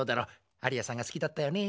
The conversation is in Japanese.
アリアさんが好きだったよね。